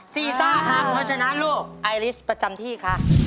ซ่าหากเพราะฉะนั้นลูกไอลิสประจำที่ค่ะ